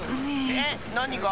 えっなにが？